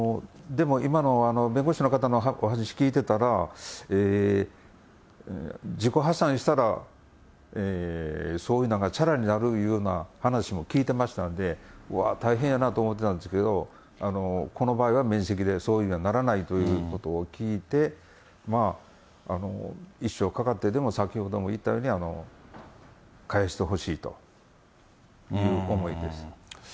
でも、今の弁護士の方のお話を聞いていたら、自己破産したら、そういうなのがちゃらになるというような話も聞いてましたので、うわー、大変やなと思ってたんですけど、この場合は免責でそういうのにはならないということを聞いて、まあ、一生かかってでも、先ほども言ったように返してほしいという思いです。